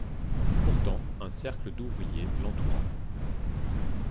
Pourtant un cercle d'ouvriers l'entoura.